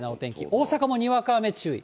大阪もにわか雨注意。